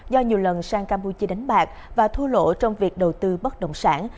do nhiều lần sang campuchia đánh bạc và thua lỗ trong việc đầu tư bất động sản